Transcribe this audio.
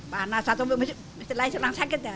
pada saat itu mesti lain seorang sakit ya